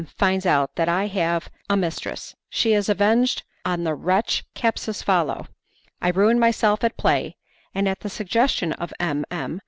Finds Out That I Have a Mistress She is Avenged on the Wretch Capsucefalo I Ruin Myself at Play, and at the Suggestion of M. M.